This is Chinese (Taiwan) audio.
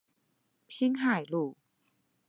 辛亥路